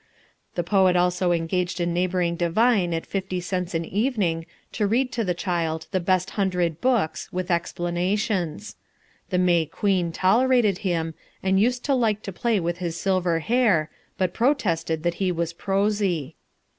The poet also engaged a neighbouring divine at fifty cents an evening to read to the child the best hundred books, with explanations. The May Queen tolerated him, and used to like to play with his silver hair, but protested that he was prosy.